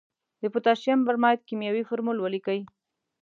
د پوتاشیم برماید کیمیاوي فورمول ولیکئ.